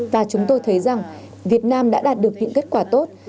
và chúng tôi thấy rằng việt nam đã đạt được những kết quả tốt